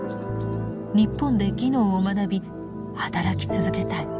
日本で技能を学び働き続けたい。